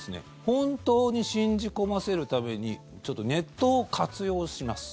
本当に信じ込ませるためにネットを活用します。